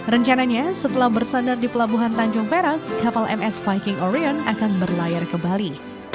rencananya setelah bersandar di pelabuhan tanjung perak kapal ms viking orion akan berlayar ke bali